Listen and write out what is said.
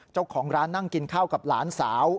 เจ้าของร้านนั่งกินข้าวกับหลานสาว